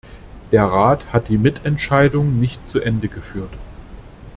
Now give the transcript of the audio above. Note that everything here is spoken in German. Der Rat hat die Mitentscheidung nicht zu Ende geführt.